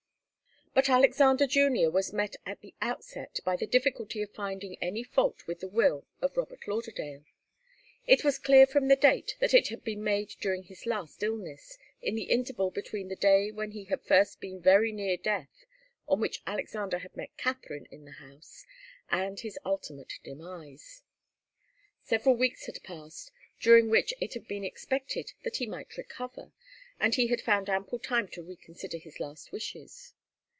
But Alexander Junior was met at the outset by the difficulty of finding any fault with the will of Robert Lauderdale. It was clear from the date that it had been made during his last illness, in the interval between the day when he had first been very near death, on which Alexander had met Katharine in the house, and his ultimate demise. Several weeks had passed, during which it had been expected that he might recover, and he had found ample time to reconsider his last wishes.